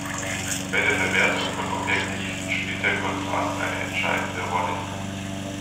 Bei der Bewertung von Objektiven spielt der Kontrast eine entscheidende Rolle.